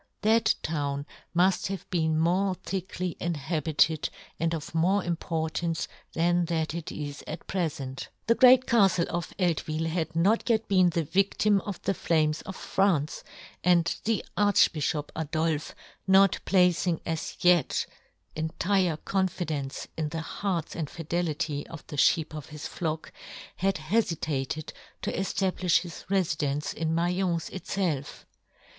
That town muft have been more thickly inhabited, and of more importance then than it is at pre fent. The great caftle of Eltvil had 1 1 John Gutenberg. not yet been the vidlim of the flames of France, and theArchbifhop Adolfe, not placing as yet entire confidence in the hearts and fidelity of the fheep of his flock, had hefitated to eftablifti his refidence in Maience itfelf.